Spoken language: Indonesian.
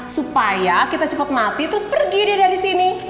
supaya kita cepet mati terus pergi dia dari sini